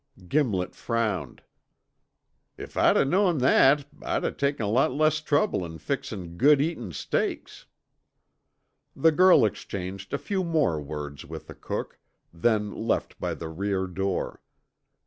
Gimlet frowned. "If I'd o' knowed that I'd o' taken a lot less trouble in fixin' good eatin' steaks." The girl exchanged a few more words with the cook, then left by the rear door.